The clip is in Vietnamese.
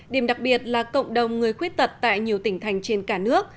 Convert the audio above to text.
điểm đặc biệt là cộng đồng người khuyết tật tại nhiều tỉnh thành trên cả nước